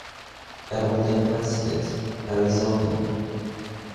Er wohnt in Prescott, Arizona.